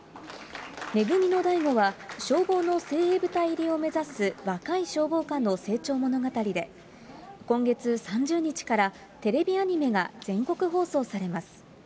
め組の大吾は、消防の精鋭部隊入りを目指す若い消防官の成長物語で、今月３０日から、テレビアニメが全国放送されます。